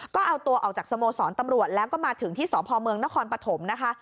ก็เอาตัวออกจากสโมสรตำรวจแล้วก็มาถึงที่สพเมืองนครปฐมนะคะ